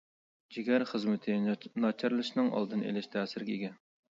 جىگەر خىزمىتى ناچارلىشىشنىڭ ئالدىنى ئېلىش تەسىرىگە ئىگە.